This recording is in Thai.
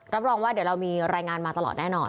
รับรองว่าเดี๋ยวเรามีรายงานมาตลอดแน่นอน